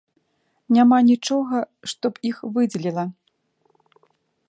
Няма нічога, што б іх выдзеліла.